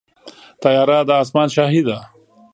طیاره د اسمان شاهي ده.